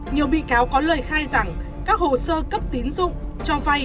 nhiều bị cáo có lời khai rằng các hồ sơ cấp tín dụng cho vay